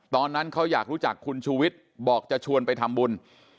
ตอนนั้นเขาอยากรู้จักคุณชูวิทย์บอกจะชวนไปทำบุญ